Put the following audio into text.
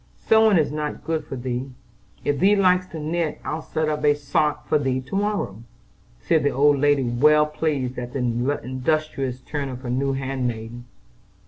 "Sewing is not good for thee. If thee likes to knit I'll set up a sock for thee to morrow," said the old lady well pleased at the industrious turn of her new handmaid.